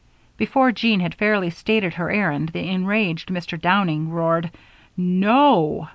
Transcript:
Before Jean had fairly stated her errand, the enraged Mr. Downing roared "_No!